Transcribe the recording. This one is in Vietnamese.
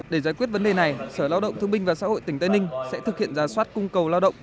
để giải quyết vấn đề này sở lao động thương binh và xã hội tỉnh tây ninh sẽ thực hiện giả soát cung cầu lao động